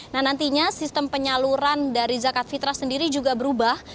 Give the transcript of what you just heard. nah nantinya sistem penyaluran dari zakat fitrah sendiri juga berubah